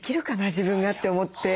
自分が」って思って。